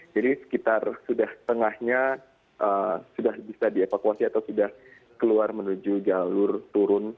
jadi sekitar sudah tengahnya sudah bisa dievakuasi atau sudah keluar menuju jalur turun